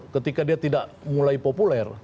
ketika dia tidak mulai populer